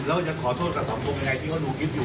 แล้วคุณจะขอโทษกับคุณคุณสมมุมที่ปรบินอยู่ที่ไอฟลาย